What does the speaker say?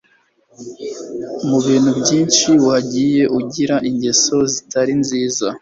Mu bintu byinshi wagiye ugira ingeso zitari nziza